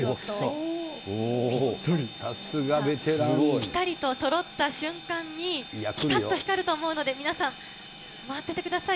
ぴたりとそろった瞬間にぴかっと光ると思うので、皆さん、待っててください。